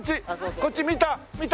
こっち見た？